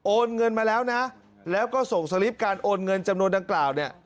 เงินมาแล้วนะแล้วก็ส่งสลิปการโอนเงินจำนวนดังกล่าวเนี่ย